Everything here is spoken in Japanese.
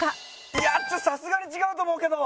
いやちょっとさすがに違うと思うけど。